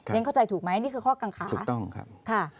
ยังเข้าใจถูกไหมนี่คือข้อกังคาะค่ะถูกต้องครับ